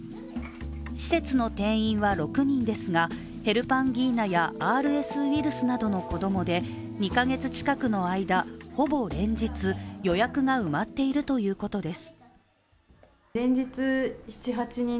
施設の定員は６人ですがヘルパンギーナやＲＳウイルスなどの子供で２か月近くの間、ほぼ連日予約が埋まっているということです。